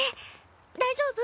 大丈夫？